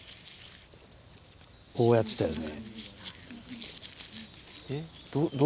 こうやってたよね。